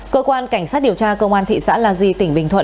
cơ quan cảnh sát điều tra công an thị xã la di tỉnh bình thuận